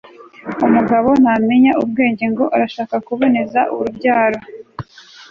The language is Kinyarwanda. umugabontamenya ubwenge ngo arashaka kuboneza urubyaro